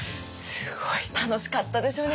すごい。楽しかったでしょうね